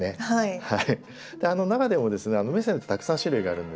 はい。